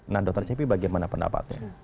nah dr cepi bagaimana pendapatnya